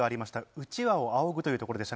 うちわをあおぐというところでした。